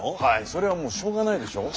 それはもうしょうがないでしょう？